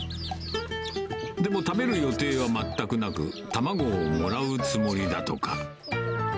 でも食べる予定は全くなく、卵をもらうつもりだとか。